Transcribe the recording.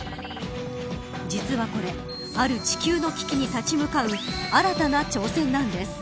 実はこれある地球の危機に立ち向かう新たな挑戦なんです。